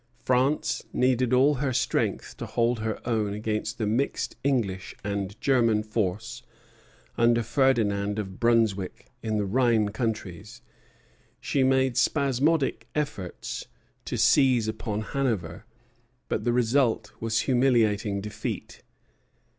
France needed all her strength to hold her own against the mixed English and German force under Ferdinand of Brunswick in the Rhine countries. She made spasmodic efforts to seize upon Hanover, but the result was humiliating defeat.